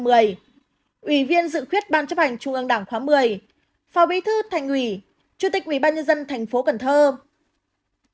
ủy viên dự quyết ban chấp hành trung ương đảng khóa một mươi phào bí thư thành ủy chủ tịch ủy ban nhân dân thành phố cần thơ